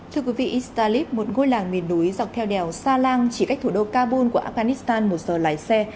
thưa quý vị istalip một ngôi làng miền núi dọc theo đèo salang chỉ cách thủ đô kabul của afghanistan một giờ lái xe